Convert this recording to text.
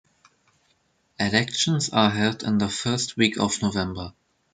Elections are held the first week of November.